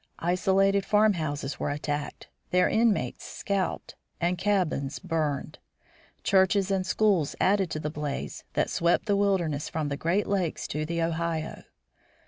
Isolated farmhouses were attacked, their inmates scalped, the cabins burned. Churches and schools added to the blaze that swept the wilderness from the Great Lakes to the Ohio.